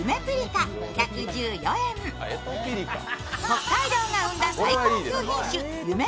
北海道が生んだ最高級品種ゆめ